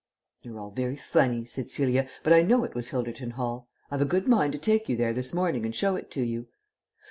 "You're all very funny," said Celia, "but I know it was Hilderton Hall. I've a good mind to take you there this morning and show it to you."